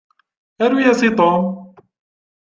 Aru-yas i Tom!